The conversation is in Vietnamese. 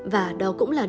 và đó cũng là lý do